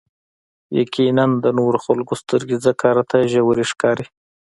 يقيناً د نورو خلکو سترګې ځکه راته ژورې ښکاري.